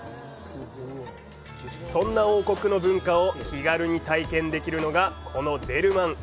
そんな王国の文化を気軽に体験できるのがこのデルマン。